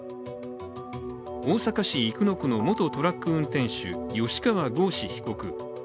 大阪市生野区の元トラック運転手吉川剛司被告。